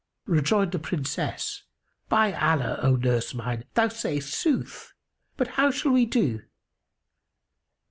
Rejoined the Princess, "By Allah, O nurse mine, thou sayst sooth! But how shall we do?"